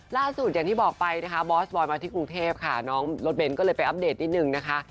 ล่าสุดอย่างที่บอกไปนะคะบอสบอยมาที่กรุงเทพค่ะน้องรถเน้นก็เลยไปอัปเดตนิดนึงนะคะ